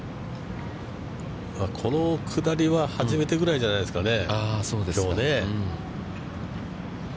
この下りは初めてぐらいじゃないですかね。